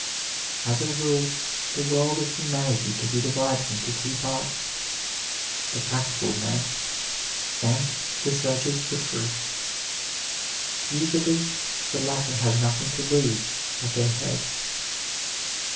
As a rule, the world of humanity can be divided into two parts: the practical men and the searchers for truth. Usually the latter have nothing to lose but their head.